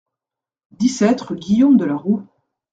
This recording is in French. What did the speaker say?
dix-sept rue Guillaume de la Roue